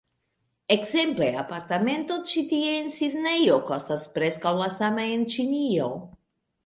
Ekzemple, apartamento ĉi tie en Sidnejo, kostas preskaŭ la sama en Ĉinio